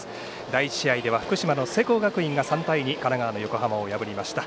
第１試合では福島の聖光学院が、３対２神奈川の横浜を破りました。